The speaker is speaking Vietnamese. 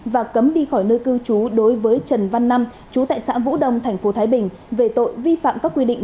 và cấm đi khỏi nơi cư trú đối với trần văn năm chú tại xã vũ đông tp thái bình về tội vi phạm các quy định